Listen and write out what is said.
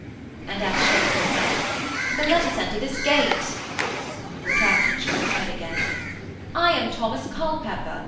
and, at a shake of the head, 'Then let us enter this gate.' The captain shook his head again. 'I am Thomas Culpepper.